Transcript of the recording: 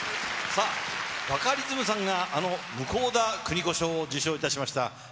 慟哭、さあ、バカリズムさんがあの向田邦子賞を受賞いたしました